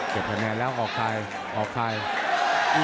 เก็บคะแนนแล้วออกไคลออกไคล